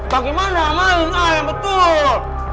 bagaimana malem ayam betul